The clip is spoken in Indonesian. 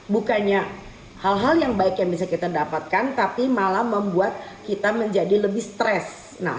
bukannya hal hal yang baik yang bisa kita dapatkan tapi malah membuat kita menjadi lebih stres